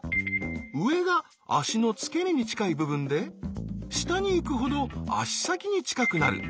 上が足の付け根に近い部分で下に行くほど足先に近くなる。